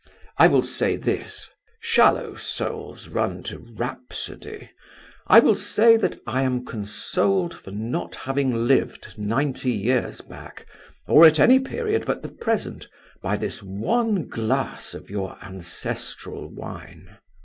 "I will say this: shallow souls run to rhapsody: I will say, that I am consoled for not having lived ninety years back, or at any period but the present, by this one glass of your ancestral wine."